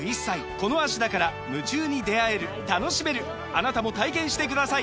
あなたも体験してください！